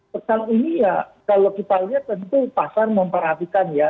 pekan ini ya kalau kita lihat tentu pasar memperhatikan ya